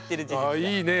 ああいいね！